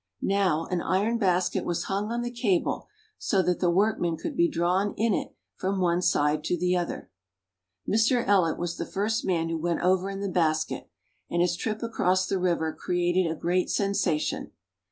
Now an iron basket was hung on the cable, so that the workmen could be drawn in it from one side to the other. Mr. EUet was the first man who went over in the basket, and his trip across the river created a great sensation.